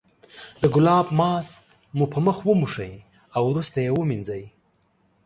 د ګلاب ماسک مو په مخ وموښئ او وروسته یې ومینځئ.